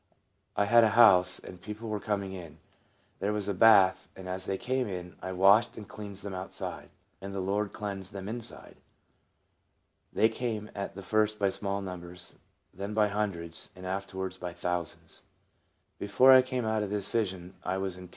I had a house, and people were coming in. There was a bath, and as they came in I washed and cleansed them outside, and the Lord cleansed them inside. They came at the first by small numbers, then by hundreds, and afterwards by thousands. Before I came out of this vision I was in WORK FOR THE MASTER.